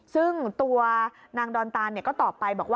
ซึ่งตัวนางดอนตาลก็ตอบไป